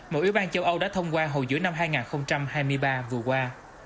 màu yếu ban châu âu đã thông qua hầu giữa năm hai nghìn hai mươi ba vừa qua